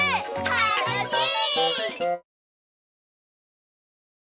たのしい！